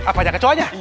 apa yang kecoanya